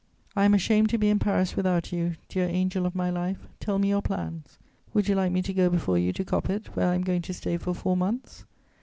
"I am ashamed to be in Paris without you, dear angel of my life: tell me your plans. Would you like me to go before you to Coppet, where I am going to stay for four months?